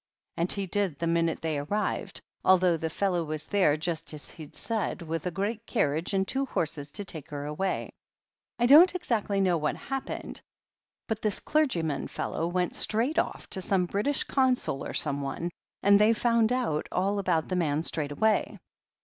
And he did the minute they arrived — ^although the fellow was there just as he'd said, with a great carriage and two horses, to take her away. I don't exactly know what happened, but I70 THE HEEL OF ACHILLES this clergyman fellow went straight off to some British G)nsul or someone, and they found out all about the man straight away.